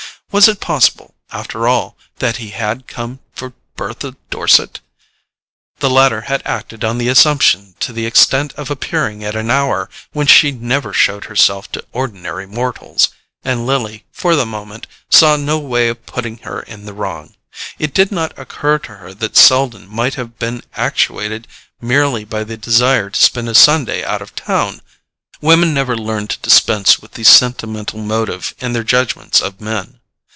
Was it possible, after all, that he had come for Bertha Dorset? The latter had acted on the assumption to the extent of appearing at an hour when she never showed herself to ordinary mortals, and Lily, for the moment, saw no way of putting her in the wrong. It did not occur to her that Selden might have been actuated merely by the desire to spend a Sunday out of town: women never learn to dispense with the sentimental motive in their judgments of men.